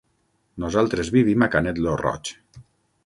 Nosaltres vivim a Canet lo Roig.